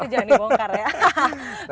tapi ya gitu lah maksudnya kayak kita